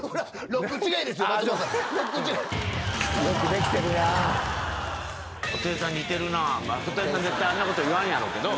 絶対あんなこと言わんやろうけど。